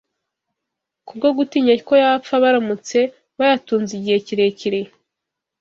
kubwo gutinya ko yapfa baramutse bayatunze igihe kirekire